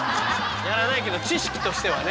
やらないけど知識としてはね。